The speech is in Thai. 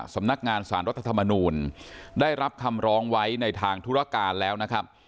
สำนักงานสารรัฐธรรมนูลได้รับคำร้องไว้ในทางธุรการแล้วนะครับ